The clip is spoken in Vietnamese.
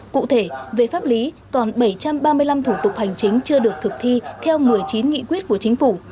cụ thể về pháp lý còn bảy trăm ba mươi năm thủ tục hành chính chưa được thực thi theo một mươi chín nghị quyết của chính phủ